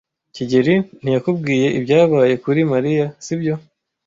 kigeli ntiyakubwiye ibyabaye kuri Mariya, sibyo?